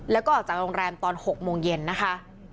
แล้วก็ออกจากโรงแรมตอน๖โมงเย็นนะคะ